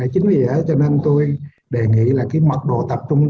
chính vì thế cho nên tôi đề nghị là cái mật độ tập trung